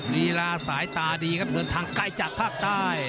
ลีลาสายตาดีครับเดินทางใกล้จากภาคใต้